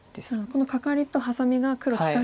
このカカリとハサミが黒利かしと。